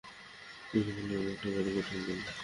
তিনি বললেন, আজ একটা বড় কঠিন দিন।